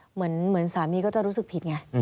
เหมือนสามีก็จะรู้สึกผิดไง